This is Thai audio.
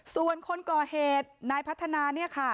ส่วนคนก่อเหตุนายพัฒนาเนี่ยค่ะ